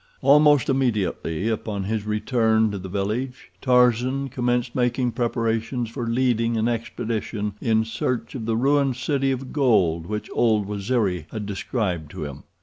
Almost immediately upon his return to the village Tarzan commenced making preparations for leading an expedition in search of the ruined city of gold which old Waziri had described to him.